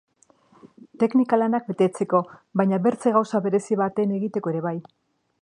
Teknika lanak betetzeko, baina bertze gauza berezi baten egiteko ere bai.